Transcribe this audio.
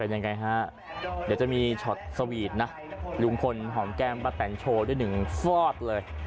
ยังไงฮะเดี๋ยวจะมีช็อตสวีทนะลุงพลหอมแก้มป้าแตนโชว์ด้วยหนึ่งฟอดเลย